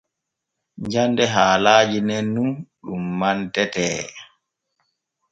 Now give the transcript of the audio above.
Jande haalaaji nen nun ɗun mantetee.